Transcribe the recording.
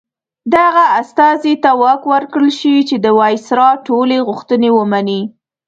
دغه استازي ته واک ورکړل شوی چې د وایسرا ټولې غوښتنې ومني.